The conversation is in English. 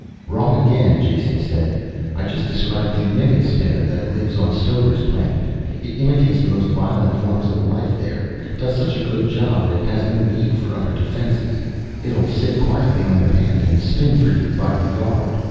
"Wrong again," Jason said. "I just described the mimic spinner that lives on Stover's Planet. It imitates the most violent forms of life there, does such a good job that it has no need for other defenses. It'll sit quietly on your hand and spin for you by the yard.